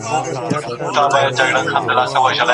هغې وویل د پورته کېدو هر پړاو ښه و.